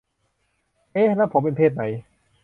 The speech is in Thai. เอ๊ะ ! แล้วผมเป็นเพศไหน ! ?